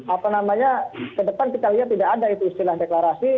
apa namanya ke depan kita lihat tidak ada itu istilah deklarasi